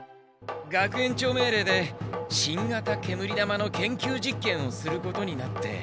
学園長命令で新型煙玉の研究実験をすることになって。